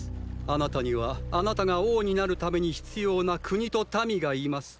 あなたにはあなたが王になるために必要な国と民がいます。